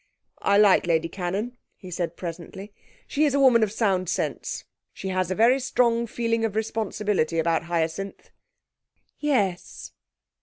'I like Lady Cannon,' he said presently. 'She's a woman of sound sense. She has a very strong feeling of responsibility about Hyacinth.' 'Yes.'